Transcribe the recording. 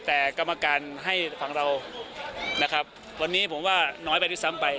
แต่กรรมการให้ฝั่งเรานะครับวันนี้ผมว่าน้อยไปด้วยซ้ำไป